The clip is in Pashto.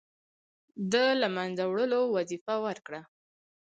د له منځه وړلو وظیفه ورکړه.